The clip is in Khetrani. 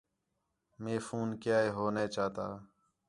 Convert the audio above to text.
مے فون کَیا ہے ہو نے چاتا